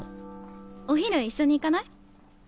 お昼一緒に行かない？